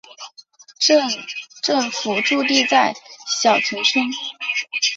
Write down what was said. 镇政府驻地在筱埕村。